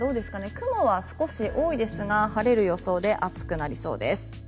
雲は少し多いですが晴れる予想で暑くなりそうです。